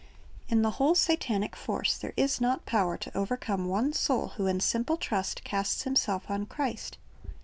In the whole Satanic force there is not power to overcome one soul who in simple trust casts himself on Christ.